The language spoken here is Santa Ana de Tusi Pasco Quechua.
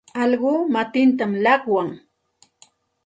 Allquu matintam llaqwan.